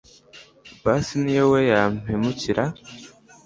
basi niyo we yampemukira